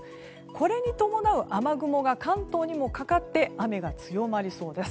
これに伴う雨雲が関東にもかかって雨が強まりそうです。